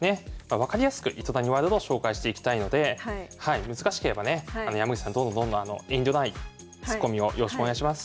分かりやすく糸谷ワールドを紹介していきたいので難しければね山口さんどんどんどんどん遠慮ないツッコミをよろしくお願いします。